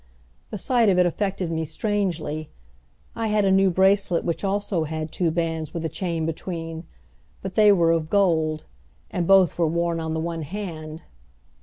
The sight of it affected me strangely. I had a new bracelet which also had two bands with a chain between, but they were of gold, and both were worn on the one hand.